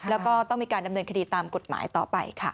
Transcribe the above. แล้วก็ต้องมีการดำเนินคดีตามกฎหมายต่อไปค่ะ